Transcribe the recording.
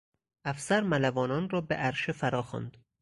افسر ملوانان را به عرشه فراخواند.